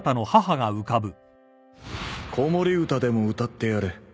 子守歌でも歌ってやれ。